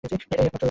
এটাই একমাত্র উপায়।